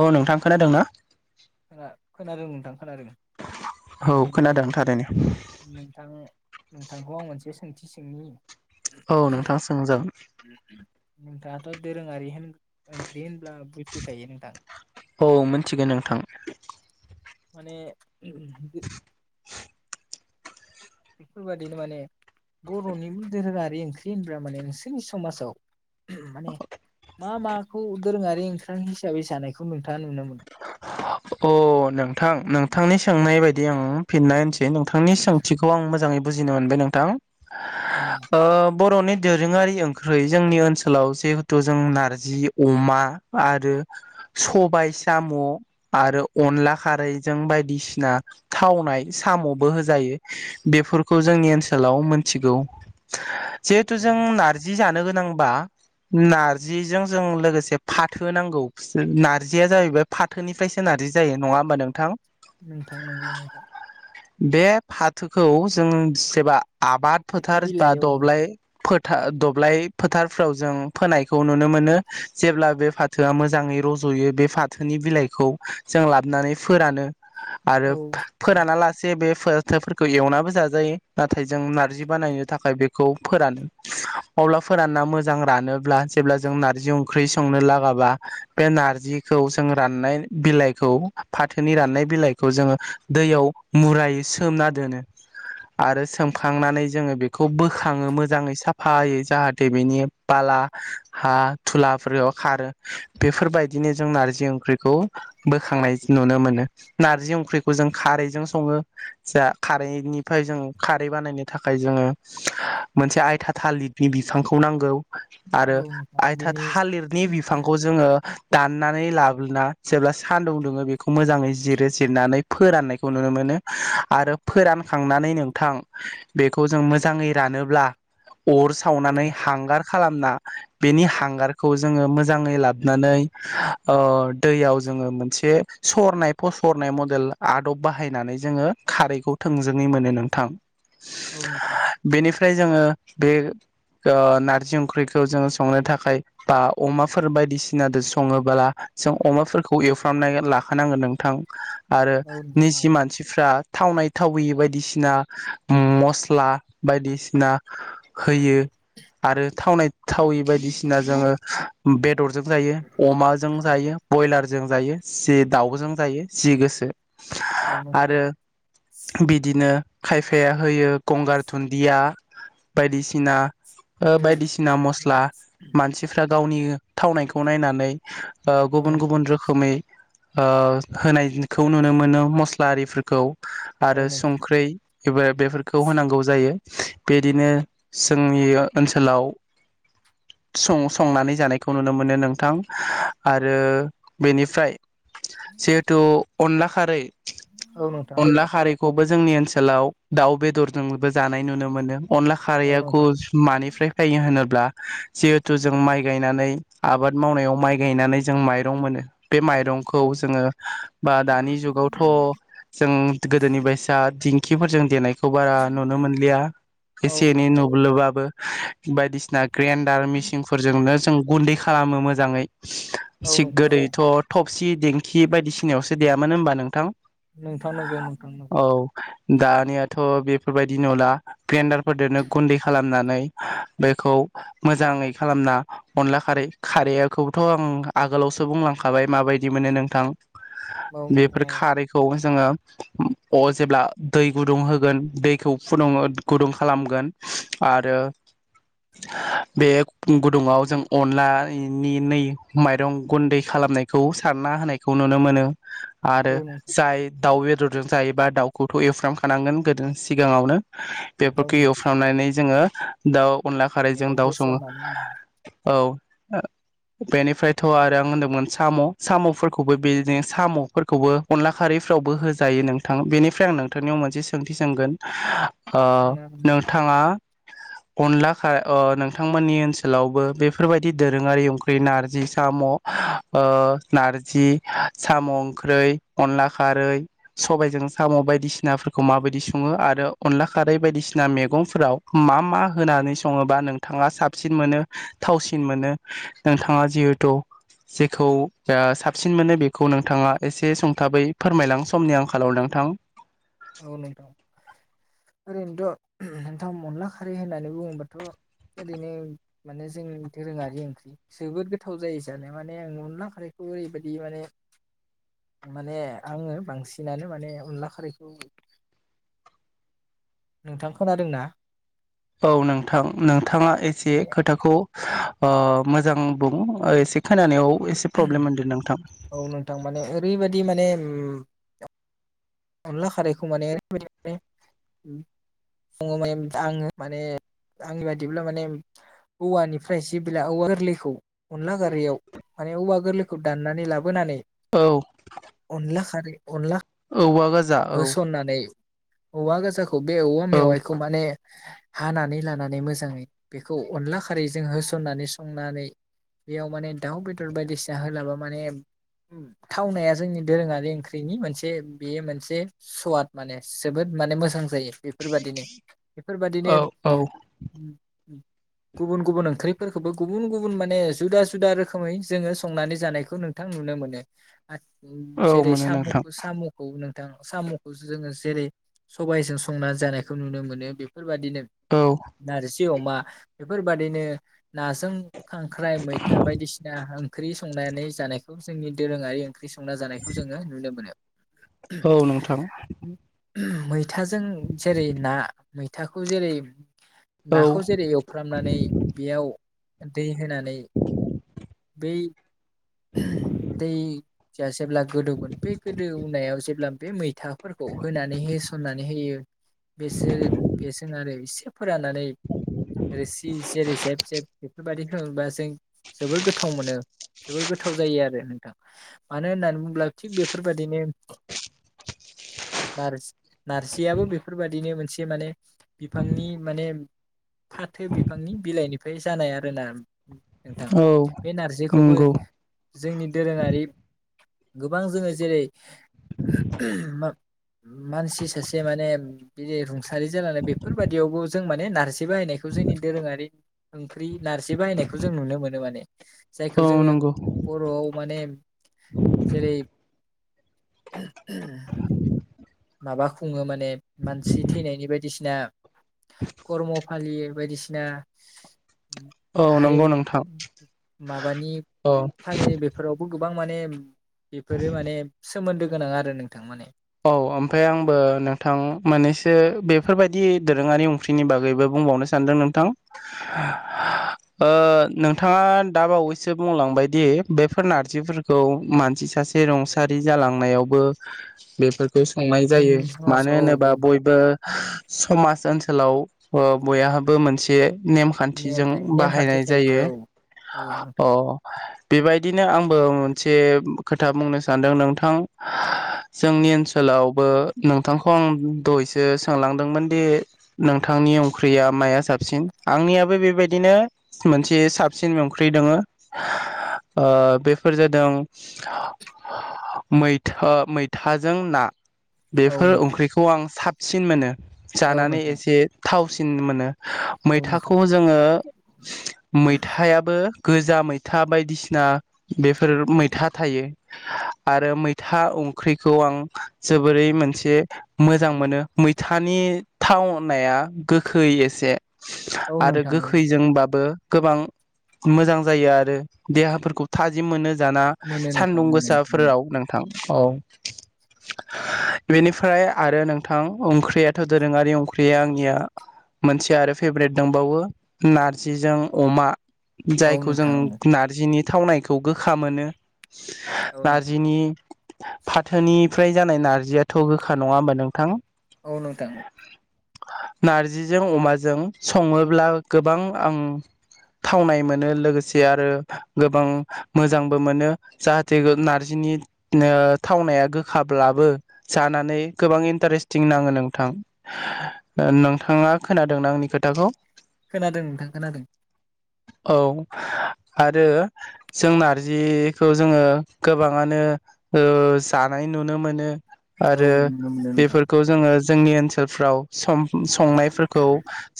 अ नोंथां खोनादोंं ना? [unintelligible] खोनादों नोंथां। खोनादों औ माने खोनादों थारैनो नोंथां नोंथांखौ आं मोनसे सोंथि सोंनि औ नोंथां सोंजागोन। नोंथाङाथ' दोरोङारि होन ओंख्रि होनब्ला बुजिखायो नोंथां। औ मिनथिगो नोंथां। माने बेफोरबायादिनो माने बर'नि दोरोङारि ओंख्रि होनब्ला माने नोंसोरनि समाजाव माने मा माखौ दोरोङारि ओंखि हिसाबै जानायखौ नोंथाङा नुनो मोनो? अ नोंथां नोंथांनि सोंनाय बायदि आं फिननाय होनसै नोंथांनि सोंथिखौ आं मोजाङै बुजिनो मोनबाय नोंथां। उम ओ बर'नि दोरोङारि ओंख्रै जोंनि ओनसोलाव जिहेथु जों नारजि अमा आरो सबाय साम' आरो अनला खारैजों बायदिसिना थावनाय साम'बो होजायो बेफोरखौ जोंनि ओनसोलाव मोनथिगौ। जिहेथु जों नार्जि जानो गोनांबा नारजिजों जों लोगोसे फाथो नांगौ नार्जिया जाहैबाय फा थोनिफ्रायसो नारजि जायो नङा होमबा नोंथां। नोंथां नंगौ नोंथां। बे फाथोखौ जों सेबा आबाद फाथो फोथार बिलाइ बा औ नोंथां दब्लाय फोथ था दब्लाय फोथारफ्राव जों फोनायखौ नुनो मोनो जेब्ला बे फाथोआ मोजाङै रज'यो बे फाथोनि बिलाइ खौ जों लाबोनानै फोरानो। औ आरो नोंथां फोराना लासे बे फोथोफोरखौ एवनाबो जाजायो नाथाय जों नारजि बानायनो थाखाय बेखौ फोरानो अब्ला फोरानना मोजां रानोब्ला जेब्ला जों नारजि ओंख्रि संनो लागाबा बे नारजिखौ जों राननाय बिलाइखौ फाथोनि राननाय बिलाइखौ जोङो दैयाव मुरायै सोमना दोनो आरो सोमखांनानै जोङो बेखौ बोखाङो मोजाङै साफायै जाहाथे बिनि बाला हा धुलाफोराव खारो बेफोरबायदिनो जों नारजि ओंख्रिखौ बोखांनाय नुनो मोनो नारजि ओंख्रिखौ जों खारैजों सङो जा खारैनिफ्राय जों खारै बानायनो थाखाय जोङो मोनसे आयथा थालिरनि बिफांखौ नांगौ। आरो औ नोंथां आयथा बिनि थालिरनि बिफांखौ जोङो दाननानै लाबना जेब्ला सानदुं दुङो बेखौ मोजाङै जिरो जिरनानै फोराननायखौ नुनो मोनो आरो फोरानखांनानै नोंथां बेखौ जों मोजाङै रानोब्ला अर औ सावनानै नोंथां हांगार खालामना बेनि हांगारखौ जोङो मोजाङै लाबोनानै ओ दैयाव जोङो मोनसे सरनाय फसरनाय मदेल आदब बाहायनानै जोङो खारैखौ थोंजोङै मोनो नोंथां। औ नोंथां बेनिफ्राय जोङो बे ओ नारजि ओंख्रिखौ जोंङ संनो थाखाय बा अमाफोर बायदिसिनाजों सङोबोला जों अमाफोरखौ एवफ्रामनानै लाखानांगोन नोंथां। आरो औ नोंथां निजि औ मानसिफ्रा थावनाय थावि बायदिसिना मस्ला बायदिसिना होयो आरो थावनाय थावि बायदिसिना जोङो बे बेदरजों जायो अमाजों जायो। रजों जायो सि दाउजों जायो जि गोसो। औ नोंथां आरो बिदिनो खायफाया होयो गंगार दुन्दिया बायदिसिना औ बायदिसिना मस्ला औ मानसिफ्रा गावनि थावनायखौ नायनानै गुबुन नोंथां गुबुन रोखोमै होनायखौ नुनो मोनो मस्ला आरिफोरखौ औ आरो नोंथां संख्रै एबा बेफोरखौ होनांगौ जायो बेदिनो जोंनि ओनसोलाव संनानै जानायखौ नुनो मोनो नोंथां आरो आरो बेनिफ्राय जिहेतु अनला खारै औ नोंथां अनला खारैखौबो जोंनि ओनसोलाव दाउ बे दर जानाय नुनो मोनो अनला औ खारैआखौ नोंथां मानिफ्राय फैयो होनोब्ला जिहेथु जों माइ गायनानै आबाद मावनायाव माइ गायनानै जों माइरं मोनो बे माइरंखौ औ जोङो बा दानि जुगावथ' जों गोदोनि बायसा दिं खिफोरजों देनायखौ बारा नुनो मोनलिया औ एसे एनै नुबलोबाबो बायदिसिना ग्रेडार मिसिनफोरजोंनो जों गुन्दै खालाम खालामो मोजाङै [unintelligible] औ सि नोंथां औ दें खि बायदिसिनायावसो दे। मानो होनबा नोंथां। नोंथां नंगौ नोंथां नंगौ औ दानियाथ' बे। बेफोरबायदि नुला ग्रेन्डारफोरजोंनो गुन्दै खालामनानै बेखौ मोजाङै खालामना अनला खारै खारैयाखौथ' आं। आगोलावसो बुंलांखाबाय माबायदि मोनो नोंथां। औ नोंथां बेफोर औ खारैखौ। जोङो अ जेब्ला दै गुदुं होगोन दैखौ फुदुंङो गुदुं खालामगोन आरो बे गुदुङाव जों अनलानि नै। माइरं गुन्दै खालामनायखौ सारना होनायखौ नुनो मोनो। औ आरो नोंथां जाय दाउ बेदरजों जायोबा दाउ। गथ' एफ्रामखानांगोन गोदो सिगाङावनो। औ बेफोरखौ नोंथां एवफ्रामनानै जोङो। दाउ। अनला खारैजों बेयाव दाउ सङो। होसननानै औ ओ बेनि। ओमफ्रायथ' आरो आं होनदोंमोन साम' साम'फोरखौबो बे साम'फोरखौबो अनला खारिफ्रावबो होजायो नोंथां बेनिफ्राय आं नोंथांनियाव मोनसे सोंथि सोंगोन। ओ सोंनो हागोन नोंथाङा। अनला खा अ नोंथांमोननि ओनसोलावबो बेफोरबायदि दोरोङारि ओंख्रि नारजि। साम' ओ नारजि साम' ओंख्रै अनला खारै सबायजों साम' बायदिसिनाफोरखौ माबायदि सङो आरो अनला खारै बायदिसिना मैगंफोराव मा मा होनानै सङोबा नोंथाङा साबसिन मोनो थावसिन मोनो नोंथाङा जि। थ' जेखौ ओ साबसिन मोनो बेखौ नोंथाङा एसे संथाबै फोरमायलां समनि आंखालाव नोंथां। औ नोंथां ओरैनोथ' नोंथां अनला खारै होननानै बुङोबाथ' ओरैनो माने जों दोरोङारि ओंख्रि जोबोद गोथाव जायो जानो माने आं अनला खारैखौ ओरैबायाददि माने माने आङो बांसिनानो माने अनला खारैखौ। औ। नोंथां खोनादोंना। औ नोंथां नोंथाङा एसे माने खोथाखौ। अ मोजां बुं ओसे। औ नोंथां माने ओरैबायादि माने। उम अनला खारैखौ माने ओरैबायदि माने बुङ माने आङो माने आंनि बादिब्ला माने औवानिफ्राय जेब्ला औवा गोरलैखौ अनला खारैयाव माने औवा गोरलैखौ दाननानै लाबोनानै। औ अनलाख हार अनला। औवा गोजा औ। होसननानै औवा गाजाख। खुब बे औवा औ मेवायखौ माने। हानानै लानानै मोजाङै बेखौ अनला खारैजों होसननानै संनानै बेयाव माने दाउ बेदर बायदिसिना होलाबा माने थावनाया जोंनि दोरोङारि ओंख्रिनि मोनसे। बेयो मोनसे सवाद माने जोबोद माने मोजां जायो। बेफोरबादिनो बेफोरबादिनो। औ औ गुबुन गुबुन ओंख्रिफोरखौबो गुबुन गुबुन माने जुदा जुदा रोखोमै जोङो संनानै जानायखौ नोंथां नुनो मोनो। औ जेरै मोनो नोंथां साम'खौ साम'। नोंथां साम'खौ जोङो जेरै सबायजों संनानै जानायखौ नुनो मोनो बे बेफोरबादिनो औ नि अमा बेफोरबादिनो नाजों खांख्राइ मैथा बायदिसिना ओंख्रि संनानै जानायखौ जोंनि दोरोङारि ओंख्रि संना जानायखौ जोङो नुनो मोनो औ नोंथां मैथाजों जेरै ना मैथाखौ जेरै औ नाखौ जेरै एवफ्रामनानै बेयाव दै होनानै दैै [unintelligible] दै जा जेब्ला गोदौगोन बे गोदौनायाव जे ब्ला बे मै थाफोरखौ होनानै होसननानै होयो। बेसोर बेजोंनो आरो इसे फोराननानै आरो सि जेरै जेब जेब बेफोरबायदि होनबा जों जोबोर गोथाव मोनो। जोबोर गोथाव जायो आरो नोंथां, मानो होननानै बुङोब्ला थिग बेफोरबाददिनो नजि नारजियाबो बेफोरबायाददिनो मोनसे माने बिफांनि माने फाथो बिफांनि बिलाइनिफ्राय जानाय आरोना। नोंथां औ बे नारजिखौबो नंगौ जोंनि दोरोङारि गोबां जोङो जेरै मान-मानसि सासे माने रुं सारि जानानै बेफोरबायदियावबो जों माने नारजि बाहायनायखौ जोंनि दोरोङारि ओंख्रि नारजि बाहायनायखौ जों नुनो मोनो माने। जायखौ औ जोङो नंगौ बरआव माने जेरै [inaudible] माबा खुङो मोन ने मानसि थैनायनि बायदिसि दा खरम फालियो बायदिसिना औ हारिम नंगौ नोंथां माबानि औ फालिनाय बेफोरावबो गोबां माने बेफोरो माने सोमोन्दो गोनां आरो नोंथांमोनाने औ ओमफ्राय आंबो नोंथां मोननैसो बेफोरबायदि दोरोङारि ओंख्रिनि बागैबो बुंबावनो सानदों नोंथां नोंथाङा दा बावैसो बुंलांबायदि बेफोर नारजिफोरखौ मानसि सासे रुंसारि जालांनायावबो बेफोर संनाय जायो जोंनि मानो समाजाव औ होनोबा नोंथां बयबो समाज ओनसोल आथिनखालाव बयाहाबो मोनसे नेम नेमखान्थिजों थायो नेमखान्थि बाहायनाय जायो थायो औ औ नोंथां अ बेबायदिनो आंबो मोनसे खोथा बुंनो सानदों नोंथां जोंनि ओनसोलावबो नोंथांखौ आं दहायसो सोंलांदोंमोन दि नोंथांनि ओंख्रिया माया साबसिन आंनियाबो बेबायदिनो मोनसे साबसिन ओंख्रि दङ बेफोर जादों मैथा मै थाजों ना औ बेफोर नोंथां ओंख्रिखौ आं साब सिन मोनो। औ जानानै नोंथां एसे थाव सिन मोनो औ नोंथां मैथाखौ जोङो मैथायाबो गोजा मैथा बायदिसिना बेफोर मैथा थायो आरो मैथा। ओंख्रिखौ आं जोबोरै मोनसे मोजां मोनो मैथानि थावनाया गोखै एसे औ आरो नोंथां औ गोखैजोंबाबो गोबां मोजां जायो आरो देहाफोरखौ थाजिम मोनो। जाना मोनो नोंथां सान्दुं मोनो मोनो गोसाफोराव नोंथां औ बेनिफ्राय आरो नोंथां ओंख्रियाथ' दोरोङारि ओंख्रिया आंनिया मोनसे आरो फेभरेट दंबावो नारजिजों अमा औ जायखौ जों नोंथां औ नारजिनि थावनायखौ गोखा मोनो औ नोंथां नारजिनि [unintelligible] फाथोनिफ्राय जानाय नारजियाथ' गोखा नङा होमबा नोंथां? औ नोंथां नारजिजों अमाजों सङोब्ला गोबां आं थावनाय मोनो लोगोसे आरो गोबां मोजांबो मोनो जाहाथे नार्जिनि थावनाया गोखाब्लाबो जानानै गोबां इन्टारेस्टिं नाङो नोंथां नोंथाङा खोनादों आंनि खोथाखौ खोनादों नोंथां खोनादों। औ आरो जों नारजिखौ जोङो गोबाङानो जानाय नुनो मोनो। औ आरो नुनो मोनो नोंथां बेफोरखौ जोङो जोंनि ओनसोलफ्राव सम संनायफोरखौ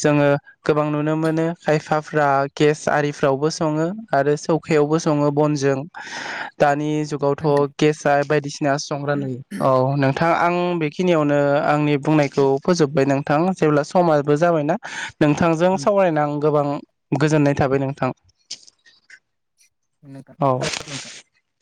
जोङो। गोबां नुनो मोनो खायफाफ्रा गेस आरिफ्रावबो सङो। आरो सौखायावबो सङो बन जों। दानि नोंथां जुगावथ' गेसआ बायदिसि ना संग्रा औ नों थां आं बेखिनियावनो आंनि बुंनायखौ फोजोबबाय नोंथां। जेब्ला समाबो जाबायना? नोंथांजों सावरायना गोबां गोजोननाय थाबाय नोंथां। औ [unintelligible]